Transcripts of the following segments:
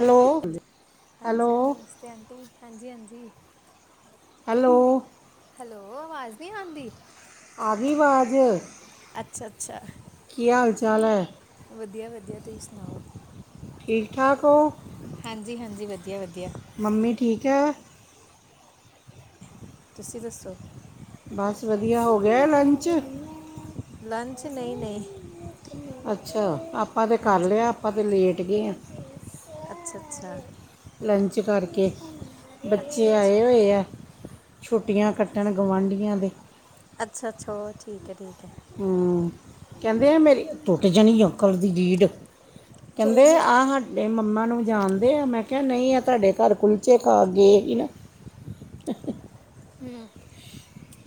Hello ਹਾਂਜੀ hello ਨਮਸਤੇ aunty ਹਾਂਜੀ- ਹਾਂਜੀ। ਹੈਲੋ। ਹੈਲੋ ਆਵਾਜ਼ ਨਹੀਂ ਆਉਂਦੀ? ਆ ਗੀ ਵਾਜ। ਅੱਛਾ- ਅੱਛਾ। ਕੀ ਹਾਲ- ਚਾਲ ਹੈ? ਵਧੀਆ- ਵਧੀਆ ਤੁਸੀਂ ਸੁਣਾਓ? ਠੀਕ- ਠਾਕ ਹੋ? ਹਾਂਜੀ- ਹਾਂਜੀ, ਵਧੀਆ- ਵਧੀਆ। ਮੰਮੀ ਠੀਕ ਹੈ? ਤੁਸੀਂ ਦੱਸੋ? ਬਸ ਵਧੀਆ, ਹੋ ਗਿਆ ਲੰਚ? ਲੰਚ ਨਹੀਂ- ਨਹੀਂ। ਅੱਛਾ, ਆਪਾਂ ਤਾਂ ਕਰ ਹਾਂਜੀ ਲਿਆ। ਆਪਾਂ ਤਾਂ ਲੇਟ ਗਏ ਹਾ। ਅੱਛਾ- ਅੱਛਾ। ਲੰਚ ਕਰਕੇ। ਅੱਛਾ ਬੱਚੇ ਆਏ ਅੱਛਾ ਹੋਏ ਹੈ, ਛੁੱਟੀਆਂ ਕੱਟਣ ਅੱਛ- ਗੁਆਂਢੀਆਂ ਦੇ। ਅੱਛਾ- ਅੱਛਾ ਹੋ ਠੀਕ ਹੈ- ਠੀਕ ਹੈ। ਹੂੰ, ਕਹਿੰਦੇ ਆ ਮੇਰੀ ਟੁੱਟ ਜਾਣੀ ਅੰਕਲ ਦੀ ਰੀੜ। ਕਹਿੰਦੇ ਆਹ ਸਾਡੇ ਮੰਮਾ ਨੂੰ ਜਾਣਦੇ ਆ। ਮੈਂ ਕਿਹਾ ਨਹੀਂ ਆ ਤੁਹਾਡੇ ਘਰ ਕੁੱਲ। ਬੱਚੇ ਖਾਗੇ ਵੀ ਨਾ। [inaudible] ਹੂੰ।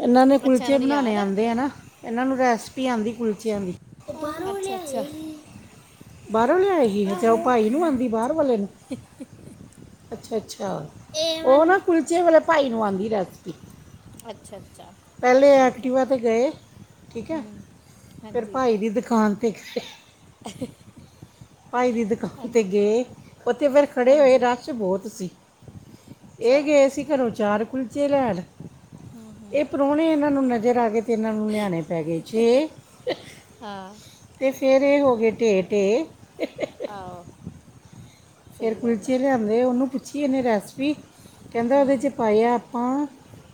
ਇਹਨਾਂ ਨੇ ਕੁਲਚੇ ਬਣਾਉਣੇ ਆਉਂਦੇ ਹੈ ਨਾ। ਇਹਨਾਂ ਨੂੰ ਰੈਸਪੀ ਆਉਂਦੀ ਕੁਲਚਿਆਂ ਦੀ। ਅੱਛਾ- ਅੱਛਾ। ਬਾਹਰੋ ਲਿਆ ਆਈ ਸੀ, ਹ ਚ ਉਹ ਭਾਈ ਨੂੰ ਆਉਂਦੀ ਬਾਹਰ ਵਾਲੇ ਨੂੰ ਹ [unintelligible] ਅੱਛਾ- ਅੱਛਾ ਉਹ ਨਾ ਕੁਲਚੇ ਵਾਲ ਭਾਈ ਨੂੰ ਆਉਂਦੀ ਰੈਸਪੀ। ਅੱਛਾ- ਅੱਛਾ। ਪਹਿਲੇ ਠੀਕ ਹੈ ਐਕਟਿਵਾ ਤੇ ਗਏ, ਠੀਕ ਹੈ। ਹੂੰ ਫੇਰ ਭਾਈ ਦੀ, ਦੁਕਾਨ ਤੇ ਗਏ। ਹ [unintelligible] ਭਾਈ ਦੀ ਦੁਕਾਨ ਤੇ ਗਏ, ਉਥੇ ਫੇਰ ਖੜੇ ਹੋਏ ਹਾਂਜੀ ਰਸ਼ ਬਹੁਤ ਸੀ। ਅੱਛਾ ਇਹ ਗਏ ਸੀ ਘਰੋਂ ਚਾਰ ਕੁਲਚੇ ਲੈਣ ਇਹ ਪ੍ਰਾਹੁਣੇ ਇਹਨਾਂ ਨੂੰ ਨਜ਼ਰ ਆ ਗਏ। ਤੇ ਇਹਨਾਂ ਨੂੰ ਲਿਆਣੇ ਪੈਗ ਛੇ ਹਾਂ ਤੇ ਫਿਰ ਇਹ ਹੋ ਗਏ ਢੇ ਢੇ ਆਹ ਫਿਰ ਕੁਲਚੇ ਲਿਆਂਦੇ ਉਹਨੂੰ ਪੁੱਛੀ ਇਹਨੇ ਰੈਸਪੀ ਕਹਿੰਦਾ ਉਹਦੇ 'ਚ ਪਾਇਆ ਹਾਂ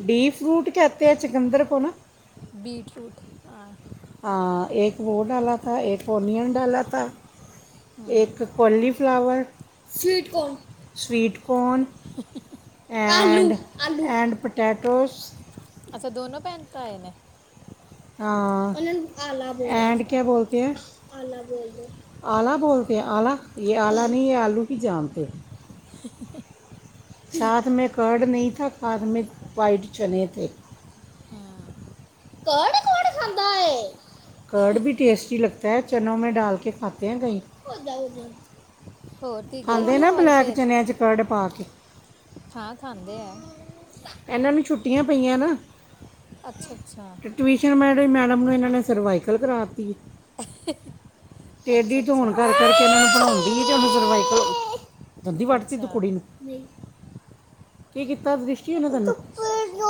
ਡੀ ਫਰੂਟ ਕਹਿਤੇ ਆ ਚਿਕੰਦਰ ਕੋ ਨਾ ਬੀਟਰੂਟ ਹਾਂ ਹਾਂ ਇੱਕ ਵੋ ਡਾਲਾ ਥਾਂ ਇੱਕ ਓਨੀਅਨ ਡਾਲਾ ਥਾਂ ਇੱਕ ਕੋਲੀਫਲਾਵਰ ਸਵੀਟਕੌਨ ਸਵੀਟਕੌਨ ਐਂਡ ਆਲੂ ਆਲੂ ਐਂਡ ਪਟੈਟੋਸ ਅੱਛਾ ਦੋਨੋ ਭੈਣ ਭਰਾ ਆਏ ਨੇ ਹਾਂ ਉਹਨਾਂ ਨੂੰ ਅੱਛਾ ਐਂਡ ਅੱਛਾ ਕਿਆ ਬੋਲ ਆਲਾ ਬੋਲ ਦੇ ਆਲਾ ਬੋਲ ਦੇ ਆਲਾ ਜਾ ਇਹ ਆਲੂ ਕੀ ਜਾਪ ਹੈ। [unintelligible] ਸਾਥ ਮੈਂ ਕਰਡ ਨਹੀਂ ਥਾ ਸਾਥ ਮੈਂ ਵਾਈਟ ਚਣੇ ਥੇ ਕਰਡ ਕੌਣ ਖੰਮ [unintelligible] ਪਤਾ ਹੋਏ ਕਰਡ ਵੀ ਟੇਸਟੀ ਲਗਤਾ ਹੈ ਚਨੋ ਮੈਂ ਡਾਲ ਕੇ ਖਾਤੇ ਹੈ ਕਹੀਂ ਉਹ ਜਾਓ ਜਾਓ ਹੋਰ ਤੀ ਗਈ ਖਾਂਦੇ ਨਾ ਬੂਆ ਵੱਲ ਬਲੈਕ ਫਿਰ ਚਨਿਆਂ ਚ ਕਰਡ ਪਾ ਕੇ ਹਾਂ ਖਾਂਦੇ ਹੈ। ਇਹਨਾਂ ਨੂੰ ਛੁੱਟੀਆਂ ਪਈਆਂ ਨਾ ਅੱਛਾ- ਅੱਛਾ। ਮੈ ਮੈਡਮ ਨੂੰ ਇਹਨਾਂ ਨੇ ਸਰਵਾਈਕਲ ਕਰਾ ਤੀ ਹੈ। [unintelligible] ਤੇੇਡੀ ਅੱਛਾ ਧੋਣ ਅੱਛਾ ਕਰਕੇ ਇਹ ਨੂੰ ਬੜਲਾਉਂਦੀ ਤੇ ਸਰਵਾਈਕਲ ਦੰਦੀ ਵੜਤੀ ਤੂੰ ਅੱਛਾ ਕੁੜੀ ਨੂੰ ਨਹੀਂ ਕੀ ਕੀਤਾ ਦ੍ਰਿਸ਼ਟੀ ਉਹਨੇ ਤੈਨੂੰ ਅੱਛਾ -ਅੱਛਾ।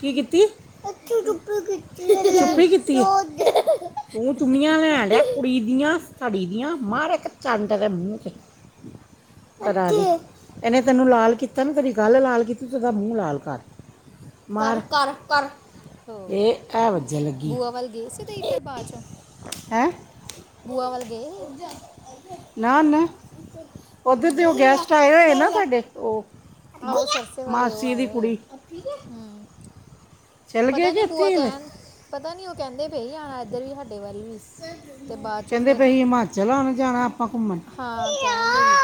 ਕੀ ਕੀਤੀ ਇੱਥੇ [unintelligible] ਕਪੜੀ ਕੀਤੀ [unintelligible] ਚੁੰਮੀਆ ਲੈਂਡ ਹੈ ਕੁੜੀ ਦੀਆਂ ਸੜੀ ਦੀਆਂ ਮਾਰ ਇੱਕ ਚਡ ਦੇ ਮੂੰਹ ਤੇ ਹਾਂਜੀ ਕਿੱਥੇ ਹਾਂਜੀ ਇਹਨੇ ਤੈਨੂੰ ਲਾਲ ਕੀਤਾ ਨਾ ਤੇਰੀ ਗੱਲ ਲਾਲ ਕੀਤੀ ਉਹਦਾ ਮੂੰਹ ਲਾਲ ਕਰ ਮਾਰ ਕਰ ਕਰ ਹੋਰ ਇਹ ਹੈ ਵੱਜਾ ਲੱਗੀ ਬੂਆ ਵੱਲ ਗਏ ਸੀ ਤਾਂ ਫਿਰ ਬਾਅਦ ਚੋਂ ਹੈ। ਬੂਆ ਵੱਲ ਗਏ ਹੂੰ ਨਾ ਨਾ ਉਧਰ ਦੇ ਹੂੰ ਉਹ ਗੈਸਟ ਆਏ ਹੋਏ ਨਾ ਸਾਡੇ ਉਹ ਮਾਸੀ ਦੀ ਕੁੜੀ ਹੂ ਚਲ ਗਏ ਪਤਾ ਕਿ ਨੀ ਇੱਥੇ ਬੂਆ ਹੀ ਨੇ? ਕਹਿਣ ਪਤਾ ਨੀ ਉਹ ਕਹਿੰਦੇ ਵੀ ਆਉਣਾ ਇੱਧਰ ਵੀ ਹਾਡੇ ਵੱਲ ਵੀ ਤੇ ਬਾਅਦ ਚੋਂ ਕਹਿੰਦੇ ਫਿਰ ਪਏ ਸੀ ਹਿਮਾਚਲ ਵੱਲ ਜਾਣਾ ਆਪਾਂ ਘੁੰਮਣ ਹਾਂ ਕਹਿਣ ਦੇ ਸੀ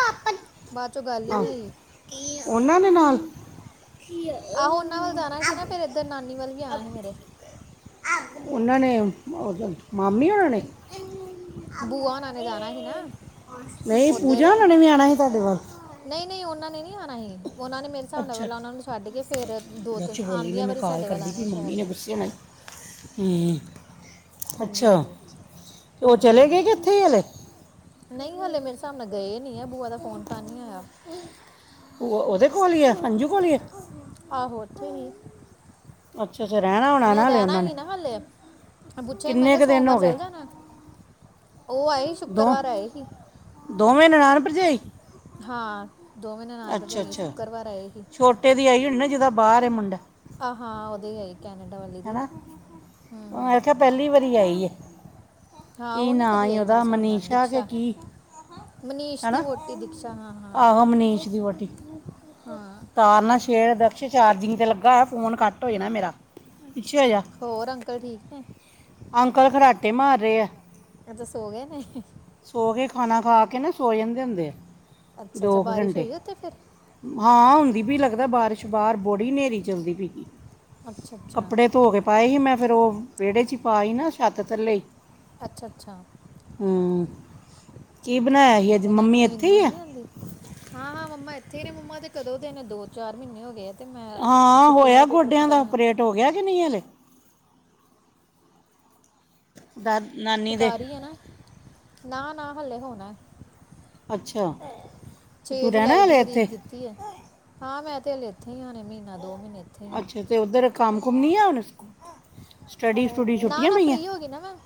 ਬਾਅਦ ਚੋਂ ਗੱਲ ਹੀ ਆਹ, ਨਹੀਂ ਹੋਈ ਉਹਨਾਂ ਦੇ ਨਾਲ ਆਹੋ ਉਹਨਾਂ ਵੱਲ ਜਾਣਾ ਸੀ ਨਾ ਫਿਰ ਇੱਧਰ ਨਾਨੀ ਵੱਲ ਵੀ ਆਣਾ ਵੀ ਮੇਰੇ ਉਹਨਾਂ ਨੇ ਮਾਮੀ ਉਹਨਾਂ ਨੇ ਬੂਆ ਉਹਨਾਂ ਨੇ ਜਾਣਾ ਸੀ ਨਾ ਨਹੀਂ ਉਧਰ ਪੂਜਾ ਹੋਣਾਂ ਨੇ ਵੀ ਆਉਣਾ ਸੀ ਤੁਹਾਡੇ ਵੱਲ ਨਹੀਂ ਨਹੀਂ ਉਹਨਾਂ ਨੇ ਨਹੀਂ ਆਉਣਾ ਸੀ ਉਹਨਾਂ ਨੇ ਮੇਰੇ ਹਿਸਾਬ ਨਾਲ ਅੱਛਾ ਪਹਿਲਾਂ ਉਹਨਾਂ ਨੂੰ ਛੱਡ ਕੇ ਫਿਰ ਦੋ ਤਿੰਨ ਦਕਸ਼ ਬੋਲੀ ਆਂਦੀਆਂ ਮੈਂ ਵਾਰੀ ਕਾਲ ਸਾਡੇ ਵੱਲ ਕਰਦੀ ਪਈ ਆਣੇ ਸ਼ਾਇਦ ਮੰਮੀ ਨੇ ਗੁੱਸੇ ਹੋਣਾ ਹੂੰ, ਹਾਂਜੀ ਅੱਛਾ ਹਾਂਜੀ ਤੇ ਉਹ ਹਾਂਜੀ ਚਲੇ ਹਾਂਜੀ ਗਏ ਕਿ ਇੱਥੇ ਹੀ ਹਲੇ? ਨਹੀਂ, ਹਲੇ ਮੇਰੇ ਹਿਸਾਬ ਨਾਲ ਗਏ ਨੀ ਆ ਬੂਆ ਦਾ ਫੋਨ ਤਾਂ ਨੀ ਆਇਆ। ਭੂਆ ਉਹਦੇ ਕੋਲ ਹੀ ਆ ਅੰਜੂ ਕੋਲ ਹੀ ਆ? ਆਹੋ, ਉੱਥੇ ਹੀ ਅੱਛਾ ਅੱਛਾ ਰਹਿਣਾ ਹੋਣਾ ਉਹਨਾਂ ਨਾ ਨੇ ਹਲੇ ਰਹਿਣਾ ਹੀ ਨਾ ਹਾਲੇ। ਪੁੱਛਿਆ ਸੀ, ਮੈਂ ਕਿੰਨੇ ਕਿਹਾ ਕ ਦਿਨ ਸੋਮਵਾਰ ਹੋ ਗਏ ਚੱਲ ਜਾਣਾ ਉਹ ਆਏ ਸੀ ਦੋ ਸ਼ੁੱਕਰਵਾਰ ਆਏ ਸੀ। ਦੋਵੇਂ ਨਨਾਾਨ, ਭਰਜਾਈ? ਹਾਂ, ਦੋਵੇ ਨਣਾਨ ਅੱਛਾ ਭਰਜਾਈ ਅੱਛਾ ਸ਼ੁੱਕਰਵਾਰ ਆਏ ਹੀ। [unintelligible] ਦੀ ਆਈ ਹੋਣੀ ਨਾ ਜੀਦਾ ਬਾਹਰ ਹੈ ਮੁੰਡਾ। ਆਹ ਹਾਂ, ਉਹਦੇ ਹੈਈ। ਕੈਨਡਾ ਵੱਲ। ਹੈਨਾ, ਮੈ ਖਿਆ ਪੈਲੀ ਵਾਰੀ ਆਈ ਹੈ। ਹਾਂ ਕੀ ਉਹ ਨਹੀਂ ਨਾਂ ਕਦੀ ਈ ਆਈ ਮੇਰੇ ਉਹਦਾ ਹਿਸਾਬ ਨਾਲ ਮਨੀਸ਼ਾ ਕਿ ਦੀਕਸ਼ਾ ਕੀ? ਮਨੀਸ਼ ਦੀ ਹੈਨਾ, ਵੋਟੀ ਦੀਕਸ਼ਾ ਹਾਂ ਹਾਂ ਆਹੋ ਮਨੀਸ਼ ਦੀ ਵੋਟੀ। ਹਾਂ ਤਾਰ ਨਾ ਛੇੜ, ਦਕਸ਼ਿਸ਼ ਚਾਰਜਿੰਗ ਤੇ ਲੱਗਾ ਹੈ ਫੋਨ ਕੱਟ ਹੋ ਜਾਣਾ ਮੇਰਾ। ਪਿੱਛੇ ਹੋ ਜਾ, ਹੋਰ ਅੰਕਲ ਠੀਕ ਨੇ ਅੰਕਲ ਖਰਾਟੇ ਮਾਰ ਰਹੇ ਹੈ। ਇਹ ਤਾਂ ਸੋ ਗਏ ਨੇ। ਸੌ ਗਏ, ਖਾਣਾ ਖਾ ਕੇ ਨਾ ਸੋ ਜਾਂਦੇ ਹੁੰਦੇ ਐ ਅੱਛਾ ਅੱਛਾ ਦੋ ਕੁ ਬਾਰਿਸ਼ ਘੰਟੇ। ਹੋਈ ਉੱਥੇ ਫਿਰ ਹਾਂ, ਹੁੰਦੀ ਪੀ ਲੱਗਦਾ ਬਾਰਿਸ਼ ਬਾਰ ਬੜੀ ਹਨੇਰੀ ਚਲਦੀ ਵੀਗੀ। ਅੱਛਾ ਅੱਛਾ ਕੱਪੜੇ ਧੋ ਕੇ ਪਾਏ ਸੀ ਮੈਂ ਫਿਰ ਉਹ ਵਿਹੜੇ 'ਚ ਹੀ ਪਾ ਈ ਨਾ ਛੱਤ ਥੱਲੇ। ਅੱਛਾ, ਅੱਛਾ। ਹੂੰ। ਕੀ ਬਣਾਇਆ ਠੀਕ ਸੀ ਅੱਜ ਹੈ, ਇਹਨੂੰ ਮੰਮੀ ਨੀਂਦ ਇੱਥੇ ਨੂੰਦ ਹੀ ਨੂੰ ਆ ਨੀ ਆਉਂਦੀ? ਹਾਂ, ਹਾਂ ਮੰਮਾ ਇੱਥੇ ਨੇ ਮੰਮਾ ਤੇ ਕਦੋਂ ਦੇ ਨੇ ਦੋ ਚਾਰ ਮਹੀਨੇ ਹੋ ਗਏ ਆ। ਤੇ ਮੈਂ ਹਾਂ, ਛੁੱਟੀ ਹੋਇਆ ਮੇਰਾ ਪੇਪਰ ਗੋਡਿਆਂ ਖਤਮ ਦਾ ਹੋਇਆ ਓਪਰੇਟ? ਹੋ ਗਿਆ ਕਿ ਨਹੀਂ ਹਾਲੇ? [unintelligible] ਸਰਕਾਰੀ ਹੈ ਨਾ, ਨਾ ਨਾ ਹਾਲੇ ਹੋਣਾ। ਅੱਛਾ ਤੇ ਛੇ ਤੂੰ ਜੁਲਾਈ ਰਹਿਣਾ ਦੀ ਹਲੇ ਤਾਰੀਖ ਇੱਥੇ ਦਿੱਤੀ ਹੈ। ਹਾਂ, ਮੈਂ ਤੇ ਹਲੇ ਇੱਥੇ ਹੀ ਆਣੇ ਮਹੀਨਾ ਦੋ ਮਹੀਨੇ ਇੱਥੇ ਹੀ ਹਾਂ ਅੱਛਾ, ਤੇ ਉੱਧਰ ਕੰਮ ਕੁਮ ਨਹੀਂ ਆ ਹੁਣ ਸਟੱਡੀ। ਸਟੂਡੀ ਨਾ, ਛੁੱਟੀਆਂ ਨਾ ਪਈਆਂ ਫਰੀ ਹੋ ਗਈ ਨਾ ਮੈ ਮ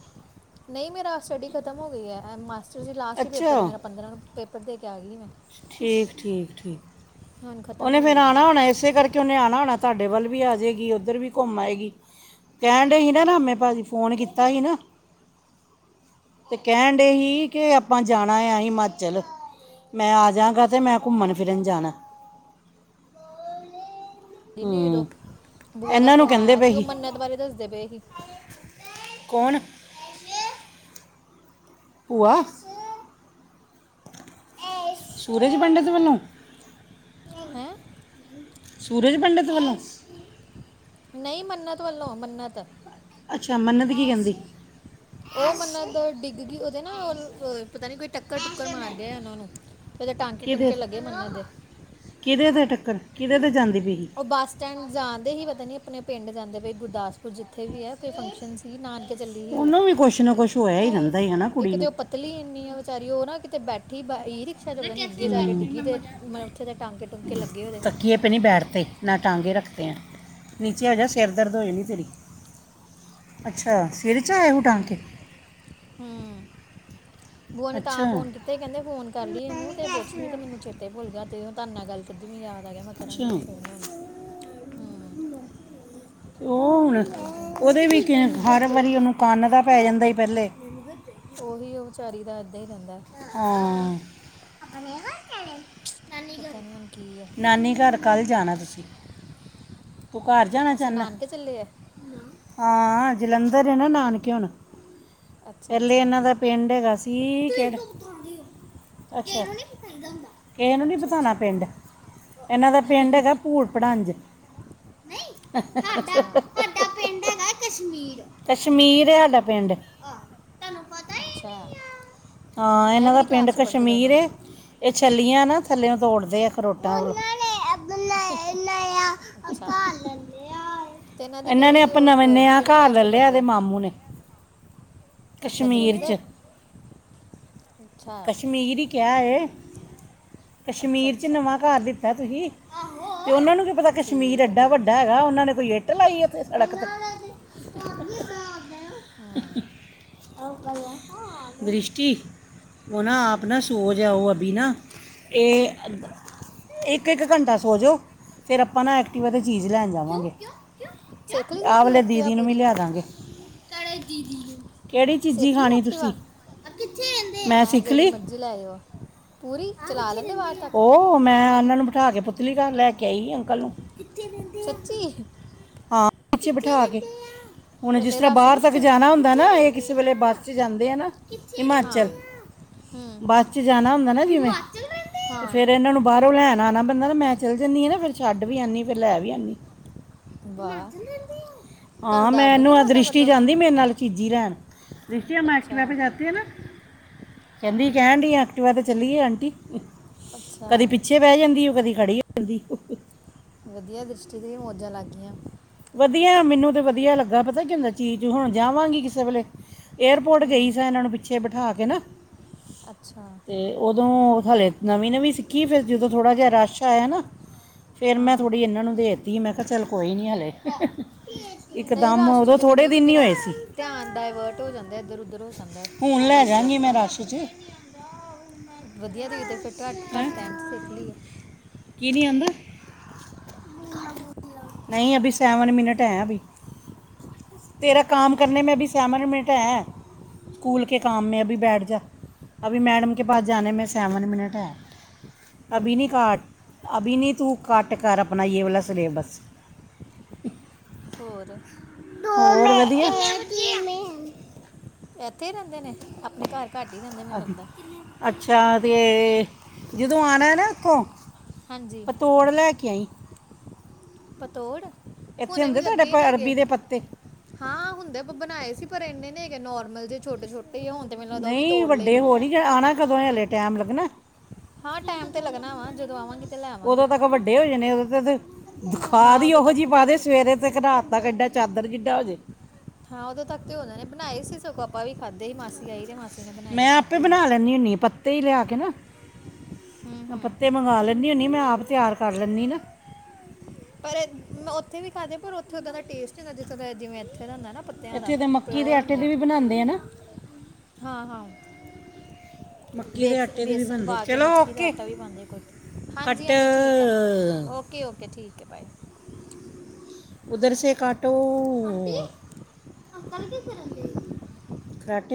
ਨਹੀਂ ਮੇਰਾ ਸਟੱਡੀ ਖਤਮ ਹੋ ਗਈ ਹੈ ਐਮ ਮਾਸ ਤੁਸੀਂ ਲਾਸਟ ਹੀ ਅੱਛਾ ਪੇਪਰ ਹੀ ਮੇਰਾ ਪੰਦਰਾਂ ਨੂੰ, ਪੇਪਰ ਦੇ ਕੇ ਆ ਗਈ ਮੈਂ। ਠੀਕ, ਠੀਕ, ਠੀਕ। ਹੁਣ ਖਤਮ ਉਹਨੇ ਹੋ ਫੇਿਰ ਗਈ ਹੈ ਆਉਣਾ ਹੋਣਾ ਏ ਇਸੇ ਕਰਕੇ ਉਹਨੇ ਆਉਣਾ ਹੋਣਾ ਤੁਹਾਡੇ ਵੱਲ ਵੀ ਆ ਜਾਏਗੀ ਉੱਧਰ ਵੀ ਘੁੰਮ ਆਏਗੀ। ਕਹਿਣ ਡੇ ਸੀ ਨਾ ਨਾਮੇ ਭਾਜੀ, ਫੋਨ ਕੀਤਾ ਸੀ ਨਾ ਤੇ ਕਹਿਣ ਦਏ ਹੀ ਕਿ ਆਪਾਂ ਜਾਣਾ ਹੈ ਹਿਮਾਚਲ। ਮੈਂ ਆ ਜਾਂਗਾ, ਤੇ ਮੈਂ ਘੁੰਮਣ ਫਿਰਨ ਜਾਣਾ। ਹੂੰ [unintelligible] ਬੂਆ ਦਾ ਇਹਨਾਂ ਨੂੰ ਫ਼ੋਨ ਕਹਿੰਦੇ ਆਇਆ ਪਏ ਸੀ, ਉਹ ਮੰਨਤ ਬਾਰੇ ਦੱਸ ਪਏ ਸੀ। ਕੌਣ। ਭੂਆ। ਸੂਰਜ ਪੰਡਿਤ ਵੱਲੋਂ। ਹੈਂ। ਸੂਰਜ ਪੰਡਿਤ ਵੱਲੋਂ। ਨਹੀਂ ਮੰਨਤ ਵੱਲੋਂ ਮੰਨਤ। ਅੱਛਾ, ਮੰਨਤ ਕੀ ਕਹਿੰਦੀ। ਅੱਛਾ! [inaudible] ਉਹ ਮੰਨਤ ਡਿੱਗ ਗਈ ਓਦੇ ਨਾ ਪਤਾ ਨਹੀਂ, ਕੋਈ ਟੱਕਰ ਟੁੱਕਰ ਮਾਰ ਗਿਆ ਉਨ੍ਹਾਂ ਨੂੰ। ਉਹਦੇ ਟਾਂਕੇ ਟੁੰਕੇ ਲੱਗੇ ਏ ਮੰਨਤ ਦੇ। ਕਿਦੇ ਤੇ ਟੱਕਰ ਕਿਦੇ ਤੇ ਜਾਂਦੀ ਪਈ ਸੀ। ਬੱਸ ਸਟੈਂਡ ਜਾਣਦੇ ਹੀ ਪਤਾ ਨਹੀਂ ਆਪਣੇ ਪਿੰਡ ਜਾਂਦੇ ਪਏ ਗੁਰਦਾਸਪੁਰ ਜਿੱਥੇ ਵੀ ਹੈ - ਫੰਕਸ਼ਨ ਸੀ ਨਾਨਕੇ ਚੱਲੀ ਹੀ ਸੀ ਉਹ ਉਹਨੂੰ ਵੀ ਕੁਛ ਨਾ ਤੇ ਕੁਛ ਹੋਇਆ ਹੀ ਰਹਿੰਦਾ ਹੀ ਹਨਾ ਇੱਕ ਕੁੜੀ ਤੇ ਨੂੰ ਉਹ ਪ ਪਤਲੀ ਇੰਨੀ ਆ ਵਿਚਾਰੀ ਓ ਨਾ ਬੈਠੀ ਕਿਤੇ ਬੈਠੀ ਸ਼ਾਇਦ ਪਤਾ ਨਹੀਂ ਅੱਗੇ ਜਾ ਕੇ ਡਿੱਗੀ ਤੇ ਮੱਥੇ ਤੇ ਟਾਂਕੇ ਟੂੰਕੇ ਲੱਗੇ ਉਹਦੇ। ਪੇ ਨਹੀਂ ਬੈਠਤੇ ਨਾ ਟਾਂਗੇ ਰੱਖਤੇ ਹੈ ਨੀਚੇ ਹੋ ਜਾ ਸਿਰ ਦਰਦ ਹੋ ਜਾਣੀਤੇਰੀ। ਅੱਛਾ, ਸਿਰ ਚ ਆਏ ਹੂ ਟਾਂਕੇ? ਹ ਮ। ਬੂਆ ਨੇ ਤਾਂ ਫ਼ੋਨ ਕੀਤਾ ਸੀ ਕਹਿੰਦੇ, ਫ਼ੋਨ ਕਰ ਲੀ ਉੰਨੂੰ ਤੇ ਪੁੱਛ ਲਈਂ ਤੇ ਮੈਨੂੰ ਚੇਤਾ ਹੀ ਭੁੱਲ ਗਿਆ, ਤੇ ਓ ਤਦ ਨਾਲ ਗੱਲ ਨਹੀਂ ਹੋ ਸਕੀ। [unintelligible] ਯਾਦ ਆ ਗਿਆ ਮੈਂ ਕਰਾਂ ਕਿੰਨੂ ਫੋਨ ਹ ਮ। ਤੇ ਓ ਹੁਣ, ਓਦੇ ਵੀ ਹਰ ਵਾਰੀ ਉਹਨੂੰ ਕੰਨ ਦਾ ਪੈ ਜਾਂਦਾ ਸੀ ਪੈਲੇ। ਉਹ ਵੀ ਉਹ ਵਿਚਾਰੀ ਦਾ ਇੱਦਾਂ ਹੀ ਰਹਿੰਦਾ। ਹਾਂ। ਆਪਣੇ ਘਰ ਚਲੇ। ਪਤਾ ਨਹੀਂ, ਹੁਣ ਕੀ ਹੈ? ਨਾਨੀ ਘਰ ਕੱਲ੍ਹ ਜਾਣਾ ਤੁਸੀਂ, ਤੂੰ ਘਰ ਜਾਣਾ ਅੱਛਾ ਚਾਹੁੰਦਾ ਹੈਂ? ਨਾਨਕੇ ਚੱਲੇ ਆ ਹਾਂ, ਜਲੰਧਰ ਨੇ ਨਾ ਨਾਨਕੇ ਹੁਣ? ਅੱਛਾ ਪੈਲੇ ਅੱਛਾ ਇਹਨਾਂ ਦਾ ਪਿੰਡ ਹੈਗਾ ਸੀ। ਠੀਕ ਹੈ। ਅੱਛਾ, ਇਸ ਨੂੰ ਪਿੰਡ ਬਾਰੇ ਨਹੀ [unintelligible] ਅੱਛਾ ਦੱਸਣਾ। ਅੱਛਾ ਇਹਨਾਂ ਦਾ ਪਿੰਡ ਹੇਗਾ, ਭੂੜ ਭੜਾਂਜ। ਅੱਛਾ ਸਾਡਾ ਪਿੰਡ ਹੈਗਾ ਕਸ਼ਮੀਰ, ਹੂੰ ਕਸ਼ਮੀਰਹੈ ਸਾਡਾ ਪਿੰਡ। ਅੱਛਾ ਹਾਂ ਹੈ ਇਹਨਾਂ ਦਾ ਕਿਹੜੀ ਪਿੰਡ ਕਲਾਸ 'ਚ ਪੜ੍ਹਦੇ ਕਸ਼ਮੀਰ ਦੋਨੋਂ ਏ। ਇਹ ਛੱਲੀਆਂ ਨਾ ਥੱਲੇਓ ਤੋੜਦੇ ਆ ਅਖਰੋਟਾਂ ਹ ਅੱਛਾ। ਤੇ ਇਹਨਾਂ ਦੀ ਕਿਹੜੀ ਉਹ, ਮਾਮੂ ਨੇ ਕ- ਨਵਾਂ ਕਿਹੜੀ ਘਰ ਕਲਾਸ ਲੈ 'ਚ ਲਿਆ ਪੜ੍ਹਦੇ ਹੈ। ਆ ਅੱਛਾ, ਜਲੰਧਰ। ਚ ਅੱਛਾ ਕਸ਼ਮੀਰ ਹੀ ਕਿਹਾ ਏ ਅੱਛਾ ਕਸ਼ਮੀਰ ਚ ਅੱਛਾ ਨਵਾਂ ਘਰ ਲਿੱਤਾ। ਤੁਹਾਨੂੰ ਤੇ ਉਹਨਾਂ ਨੂੰ ਕੀ ਪਤਾ ਕਸ਼ਮੀਰ ਠੀਕ ਹੈ ਇੰਨਾ ਠੀਕ ਵੱਡਾ ਹੈ। ਉਹਨਾਂ ਨੇ ਕਿਹੜਾ ਸਾਰਾ ਦੇਖਿਆ ਹੈ। ਤੇ ਲਾਈ ਏ ਇੱਥੇ ਸੜਕ ਤੇ। ਹੂੰ ਦ੍ਰਿਸ਼ਟੀ। ਉਹ ਨਾ ਆਪ ਹੀ ਸੋਚ ਰਿਹਾ ਹੈ। ਇੱਕ-ਇੱਕ ਘੰਟਾ ਸੋ ਜਾਓ ਫਿਰ ਆਪਾਂ ਨਾ ਐਕਟੀਵਾਤੇ ਚੀਜ਼ ਲੈਣ ਜਾਵਾਂਗੇ। ਸਿੱਖ ਲਈ ਜੇ ਆ ਤੁਸੀਂ ਵਲੇ ਐਕਟਿਵਾ ਦੀਦੀ ਨੂੰ ਵੀ ਪੂਰੀ ਲਿਆਂਦਾ ਗੇ [unintelligible] ਕਿਹੜੀ ਚੀਜ਼ੀ ਸਿੱਖ ਲਈ ਖਾਣੀ ਐਕਟਿਵਾ ਤੁਸੀਂ। ਮੈਂ ਸਿੱਖ ਜਿਹੜੀ ਲਈ ਮਰਜ਼ੀ ਲੈ ਲਵਾਂ ਪੂਰੀ ਚਲਾ ਲੈਂਦੀ ਹਾਂ ਬਾਹਰ ਤੱਕ। ਉਹ ਮੈਂ ਉਹਨਾਂ ਨੂੰ ਬਿਠਾ ਕੇ ਅੰਕਲ ਨੂੰ ਪੁਤਲੀਘਰ ਲੈ ਕੇ ਆਈ। ਸੱਚੀ। ਹਾਂ, ਪਿੱਛੇ ਬਿਠਾ ਕੇ ਹੁਣ ਜਿਸ ਇੰਨੇ ਤਰ੍ਹਾਂ ਰਸ਼ ਬਾਹਰ ਰੁਸ਼ ਤੱਕ 'ਚ ਵੀ ਜਾਣਾ ਹੁੰਦਾ ਹੈ। ਨਾ, ਇਹ ਕਿਸੇ ਵੇਲੇ ਬੱਸ ਵਿੱਚ ਜਾਂਦੇ ਹਨ, ਨਾ। ਹਿਮਾਚਲ ਹਾਂ ਹੂੰ ਬੱਸ ਚ ਜਾਣਾ ਹੁੰਦਾ ਨਾ ਜਿਵੇਂ ਹਿਮਾਚਲ ਰਹਿੰਦੇ ਅ ਤੇ ਹਾਂ ਫਿਰ ਇਹਨਾਂ ਨੂੰ ਜਦੋਂ ਬਾਹਰੋਂ ਲੈਣ ਆਉਣਾ ਹੁੰਦਾ ਹੈ ਤਾਂ ਮੈਂ ਹੀ ਜਾਂਦੀ ਹਾਂ ਫਿਰ ਛੱਡਣ ਵੀ ਮੈਂ ਹੀ ਜਾਂਦੀ ਹਾਂ ਅਤੇ ਲੈਣ ਵੀ ਮੈਂ ਹੀ ਆਉਂਦੀ ਹਾਂ। ਵਾਹ [inaudible] ਹਾਂ ਤੁਹਾਨੂੰ ਡਰ ਮੈਂ ਡਰ ਨਹੀਂ ਇਹਨੂੰ ਆ ਲੱਗਦਾ ਦ੍ਰਿਸ਼ਟੀ ਮਤਲਬ ਜਾਂਦੀ ਮੇਰੇ ਨਾਲ ਚੀਜੀ ਲੈਣ। ਦ੍ਰਿਸ਼ਟੀ ਹਮ ਐਕਟੀਵਾ ਅੱਛਾ ਪੇ ਜਾਤੇ ਕਹਿੰਦੀ ਆਂਟੀ ਇੱਕ ਵਾਰ ਚੱਲੀਏ? ਕਦੇ ਅੱਛਾ ਪਿੱਛੇ ਬੈਠ ਜਾਂਦੀ ਹੈ, ਤੇ ਕਦੇ ਖੜ੍ਹੀ ਹੋ ਜਾਂਦੀ ਹੈ। ਵੱਧੀਆ ਦ੍ਰਿਸ਼ਟੀ ਦੀਆਂ ਮੌਜਾਂ ਲੱਗ ਗਈਆਂ। ਵੱਧੀਆ ਮੈਨੂੰ ਤਾਂ ਵੱਧੀਆ ਲੱਗਾ ਪਤਾ ਕੀ ਹੁੰਦਾ ਚੀਜ਼ ਹੁਣ ਜਾਵਾਂਗੀ ਕਿਸੇ ਵੇਲੇ ਏਅਰਪੋਰਟ ਗਈ ਹੂੰ ਸ ਇਹਨਾਂ ਨੂੰ ਪਿੱਛੇ ਬਿਠਾ ਕੇ ਨਾ। ਅੱਛਾ। ਉਦੋਂ ਹਾਲੇ ਨਵੀਂ-ਨਵੀਂ ਸਿੱਖੀ ਸੀ ਫਿਰ ਜਦੋਂ ਥੋੜ੍ਹਾ ਜਿਹਾ ਰਸ਼ ਆਇਆ ਨਾ। ਫਿਰ ਮੈਂ ਹਾਂ ਥੋੜ੍ਹੀ ਜਿਹੀ ਇਹਨਾਂ ਨੂੰ ਦੇ ਦਿੱਤੀ ਮੈਂ ਕਿਹਾ ਚੱਲੋ ਕੋਈ ਗੱਲ ਨਹੀਂ। ਉਦੋਂ ਨਹੀਂ ਤਾਂ ਰਸ਼ 'ਚ ਹਾਲੇ ਤੇ ਥੋੜ੍ਹੇ ਹੀ ਮੈਨੂੰ ਵੀ ਦਿਨ ਮੇਰਾ ਹੋਏ ਧਿ- ਸਨ। ਧਿਆਨ ਡਾਇਵਰਟ ਹੋ ਜਾਂਦਾ ਇੱਧਰ ਉੱਧਰ ਉਸ ਹੁਣ ਮੈਂ ਰਸ਼ ਵਿੱਚ ਲੈ ਜਾਵਾਂਗੀ। ਵਧੀਆ ਤੁਸੀਂ ਤਾਂ ਫਿਰ ਬਹੁਤ ਹੈਂ? ਘੱਟ ਸਮੇਂ ਵਿੱਚ ਸਿੱਖ ਲਿਆ। ਕੀ ਨਹੀਂ ਆਉਂਦਾ? ਨਹੀਂ, ਅਬੀ ਸੈਵਨ ਮਿਨਟ ਹੈ ਅਬੀ। ਤੇਰਾ ਕੰਮ ਕਰਨੇ ਮੇ ਅਬੀ ਸੈਵਨ ਮਿਨਟ ਹੈ। ਸਕੂਲ ਕੇ ਕਾਮ ਮੇ ਅਬੀ ਬੈਠ ਜਾ ਅਬੀ ਮੈਡਮ ਕੇ ਪਾਸ ਜਾਨਾ ਸੈਵਨ ਮਿਨਟ ਹੈ। ਅਭੀ ਨਹੀਂ ਹਮ, ਕਾਟ, ਅਭੀ ਨਹੀਂ ਤੂੰ ਘੱਟ ਕਰ ਆਪਣਾ ਯੇ ਵਾਲਾ ਸਿਲੇਬਸ। ਹੋਰ। ਓਹ, ਵਧੀਆ। ਇੱਥੇ ਹੀ ਰਹਿੰਦੇ ਹਨ ਆਪਣੇ ਘਰ ਤਾਂ ਘੱਟ ਹੀ ਰਹਿੰਦੇ ਹਨ, ਮੈਨੂੰ ਅਭੀ ਲੱਗਦਾ ਹੈ। ਅੱਛਾ, ਤੇ ਜਦੋਂ ਇੱਥੋਂ ਆਉਣਾ ਨਾ। ਹਾਂਜੀ। ਪਤੋੜ ਲੈ ਕੇ ਆਈ। ਪਤੌੜ। ਇੱਥੇ ਹੁੰਦੇ ਤੁਹਾਡੇ ਕੋਲ ਅਰਬੀ ਦੇ ਪੱਤੇ। ਹਾਂ, ਹੁੰਦੇ ਆਪਾ ਬਣਾਏ ਸੀ ਪਰ ਇੰਨੇ ਨੀ ਹੈਗੇ ਨਾਰਮਲ ਜਿਹੇ ਛੋਟੇ-ਛੋਟੇ ਸਨ। ਮੈਨੂੰ ਲੱਗਦਾ ਹੈ, ਉਹ ਵੀ ਤੋੜ ਲਏ ਸਨ। ਆਉਣਾ ਕਦੋਂ ਹੈ? ਹਾਲੇ ਟਾਈਮ ਲੱਗਣਾ? ਹਾਂ ਟਾਈਮ ਤੇ ਲੱਗਣਾ ਵਾ ਜਦੋਂ ਆਵਾਂਗੀ ਤੇ ਲੈ [inaudible] ਆਵਾਂਗੀ ਉਦੋਂ ਤੱਕ ਵੱਡੇ ਹੋ ਜਾਣੇ ਉਦੋਂ ਤੇ ਬੁਖਾਰ ਹਾਂ ਜਿਹਾ ਉਦੋਂ ਤੱਕ ਰਹਿੰਦਾ ਸੀ। ਸਵੇਰੇ ਤੇ ਰਾਤ ਨੂੰ ਚਾਦਰ ਵੀ ਲੈਣੀ ਪੈਂਦੀ ਸੀ। [unintelligible] ਹਾਂ, ਉਦੋਂ ਤੱਕ ਉਹਨਾਂ ਨੇ ਬਣਾ ਲਏ ਸਨ। ਸਗੋਂ ਆਪਾਂ ਵੀ ਖਾਧੇ ਸਨ। ਮਾਸੀ ਆਈ ਸੀ। ਮਾਸੀ ਨੇ ਬਣਾਏ ਮੈਂ ਆਪੇ ਹੀ ਖਾਦੇ ਬਣਾ ਲੈਂਦੀ ਹੁੰਦੀ। ਪੱਤੇ ਹੀ ਲਿਆ ਕੇ, ਹੂੰ ਜਾਂ ਹੂੰ ਪੱਤੇ ਮੰਗਵਾ ਲੈਂਦੀ। ਕਦੇ-ਕਦੇ ਮੈਂ ਆਪ ਹੀ ਤਿਆਰ ਕਰ ਲੈਂਦੀ ਹਾਂ, ਨਾ। ਪਰ ਅ ਮੈਂ ਉੱਥੇ ਵੀ ਖਾਦੇ ਪਰ ਉੱਥੇ ਉਦਾਂ ਦਾ ਟੇਸਟ ਨੀਂ ਹੁੰਦਾ ਜਿਥੋਂ ਜਿਵੇਂ ਇੱਥੇ ਦਾ ਹੁੰਦਾ ਨਾ ਪੱਤਿਆਂ ਦਾ ਇੱਥੇ ਤਾਂ ਮੱਕੀ ਦੇ ਪਿਓਰ ਆਟੇ ਹੁੰਦੇ ਆ। ਦੀ ਵੀ ਬਣਾਉਂਦੇ ਹਨ, ਨਾ। ਹਾਂ, ਹਾਂ। ਮੱਕੀ ਦੇ ਬੇਕਸ ਆਟੇ ਦੇ ਵੀ ਬੇਸਨ ਬਣਦੇ ਪਾ ਕੇ ਚਲੋ ਮੱਕੀ ਦਾ ਓਕੇ ਆਟਾ ਵੀ ਪਾਉਂਦੇ ਕੁਝ ਕੱਟ ਅ-ਅ। ਓਕੇ, ਓਕੇ ਠੀਕ ਹੈ ਬਾਏ। ਉੱਧਰ ਸੇ ਕਾਟੋ।